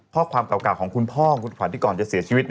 ข้อความเก่าของคุณพ่อของคุณขวัญที่ก่อนจะเสียชีวิต